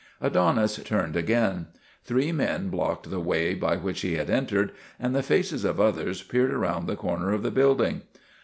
Adonis turned again. Three men blocked the way by which he had entered, and the faces of others peered around the corner of the building.